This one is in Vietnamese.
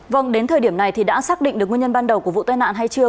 vâng đến thời điểm này thì đã xác định được nguyên nhân ban đầu của vụ tai nạn hay chưa